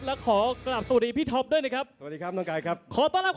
และผมท็อปฟไตเตอร์